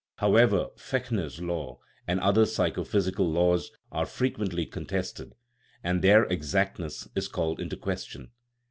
However, Fechner's law and other psycho physical laws are frequently contested, and their " exactness " is called into question.